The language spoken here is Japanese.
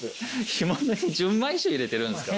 干物に純米酒入れてるんすか？